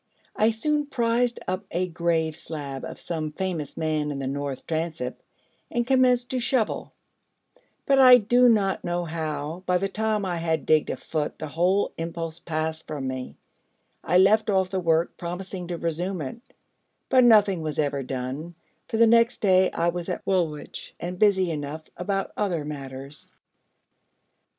I soon prised up a grave slab of some famous man in the north transept, and commenced to shovel: but, I do not know how, by the time I had digged a foot the whole impulse passed from me: I left off the work, promising to resume it: but nothing was ever done, for the next day I was at Woolwich, and busy enough about other matters.